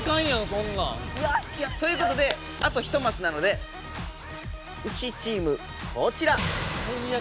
そんなん。ということであと１マスなのでウシチームこちら！